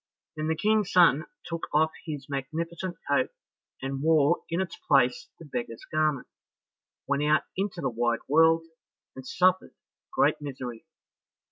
Then the King's son took off his magnificent coat, and wore in its place the beggar's garment, went out into the wide world, and suffered great misery.